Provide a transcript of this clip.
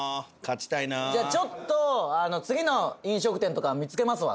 じゃあちょっと次の飲食店とか見つけますわ最初に。